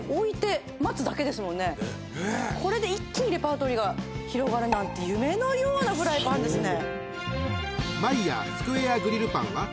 これで一気にレパートリーが広がるなんて夢のようなフライパンですね。